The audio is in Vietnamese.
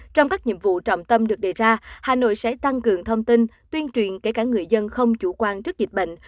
trong các nhiệm vụ trọng tâm được đề ra hà nội sẽ tăng cường thông tin tuyên truyền kể cả người dân không chủ quan trước dịch bệnh